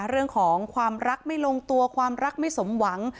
เรื่องของความรักไม่ลงตัวความรักไม่สมหวัง